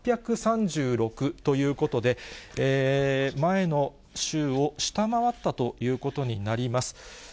４８３６ということで、前の週を下回ったということになります。